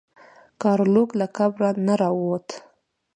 ګارلوک له قبر نه راووت.